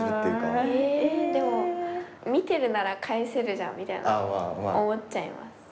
えでも見てるなら返せるじゃんみたいな思っちゃいます。